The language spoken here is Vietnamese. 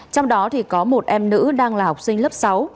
trong đó có một em nữ đang là học sinh lớp sáu